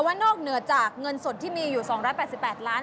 นอกเหนือจากเงินสดที่มีอยู่๒๘๘ล้าน